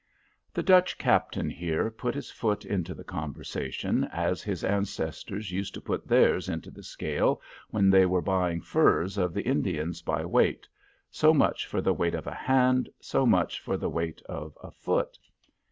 The Dutch captain here put his foot into the conversation, as his ancestors used to put theirs into the scale, when they were buying furs of the Indians by weight, so much for the weight of a hand, so much for the weight of a foot.